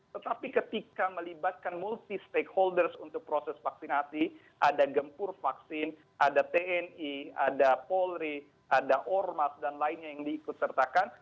tetapi ketika melibatkan multi stakeholders untuk proses vaksinasi ada gempur vaksin ada tni ada polri ada ormas dan lainnya yang diikut sertakan